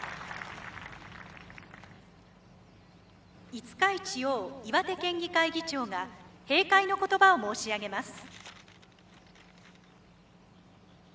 五日市王岩手県議会議長が閉会の言葉を申し上げます。